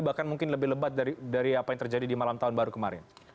bahkan mungkin lebih lebat dari apa yang terjadi di malam tahun baru kemarin